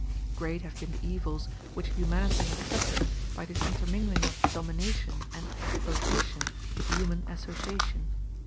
Great have been the evils which humanity has suffered by this intermingling of domination and exploitation with human association.